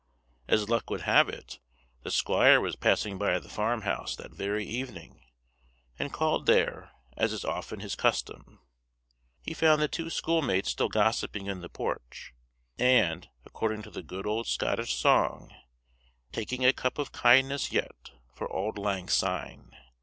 As luck would have it, the squire was passing by the farm house that very evening, and called there, as is often his custom. He found the two schoolmates still gossiping in the porch, and, according to the good old Scottish song, "taking a cup of kindness yet, for auld lang syne."